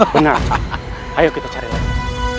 benar ayo kita cari lagi